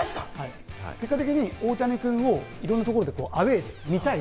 結果的に大谷君をいろんなところでアウェーで見たい・